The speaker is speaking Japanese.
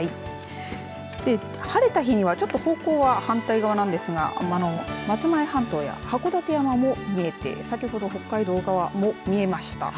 晴れた日には方向は反対側なんですが松前半島や函館山も見えて先ほど北海道側も見えました。